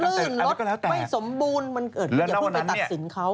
ถ้าน้องลื่นรถไม่สมบูรณ์มันเกิดอะไรอย่างนู้นไปตัดสินเขา